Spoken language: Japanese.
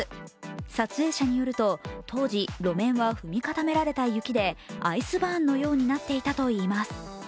撮影者によると当時、路面は踏み固められた雪でアイスバーンのようになっていたといいます。